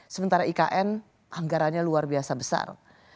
sementara ikn anggarannya luar biasa besar